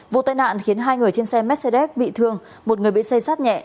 vụ tai nạn khiến hai người trên xe mercedes bị thương một người bị xây sát nhẹ